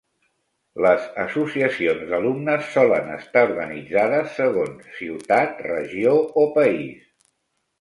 Les associacions d'alumnes solen estar organitzades segons ciutat, regió o país.